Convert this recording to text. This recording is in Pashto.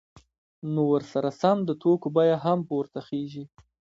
نو ورسره سم د توکو بیه هم پورته خیژي